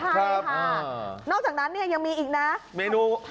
ใช่ค่ะนอกจากนั้นเนี่ยยังมีอีกนะเมนู